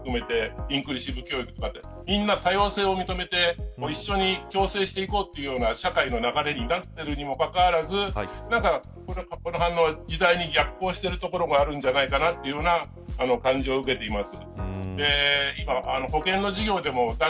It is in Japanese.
あるいは、ノーマライゼーションとか障がい者も含めてインクルーシブ教育とかみんな多様性を求めて一緒に調整していこうという社会の流れになっているのにもかかわらずこの反応は時代に逆行しているところもあるんじゃないかなというのが感じを受けています。